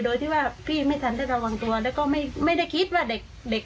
โดยที่ว่าพี่ไม่ทันได้ระวังตัวแล้วก็ไม่ได้คิดว่าเด็กเด็ก